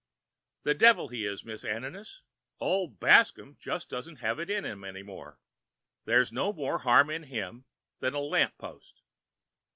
"The devil he is, Miss Ananias. Old Bascomb just doesn't have it in him any more. There's no more harm in him than a lamp post."